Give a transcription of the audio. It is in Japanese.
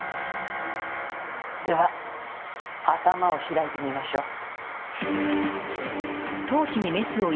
では頭を開いてみましょう。